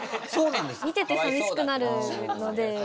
見ててさみしくなるので。